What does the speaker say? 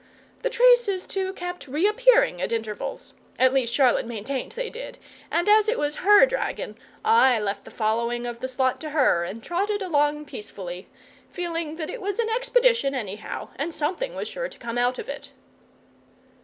The traces, too, kept reappearing at intervals at least Charlotte maintained they did, and as it was HER dragon I left the following of the slot to her and trotted along peacefully, feeling that it was an expedition anyhow and something was sure to come out of it.